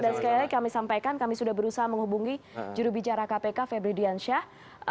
dan sekali lagi kami sampaikan kami sudah berusaha menghubungi jurubicara kpk febri diansyah